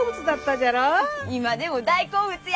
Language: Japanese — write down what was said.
今でも大好物や！